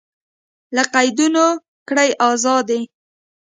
له قیدونو کړئ ازادي